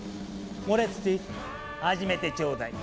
モレツティ始めてちょうだい。